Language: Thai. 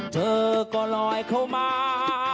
เธอก็ลอยเข้ามา